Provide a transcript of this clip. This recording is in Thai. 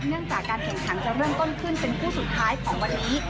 เนื่องจากการแข่งขันจะเริ่มต้นขึ้นเป็นคู่สุดท้ายของวันนี้